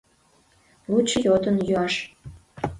Лучо йодын йӱаш.